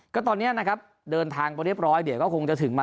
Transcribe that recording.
ก็ตอนนี้นะครับเดินทางไปเรียบร้อยเดี๋ยวก็คงจะถึงมา